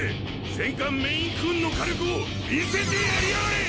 戦艦メインクーンの火力を見せてやりやがれ！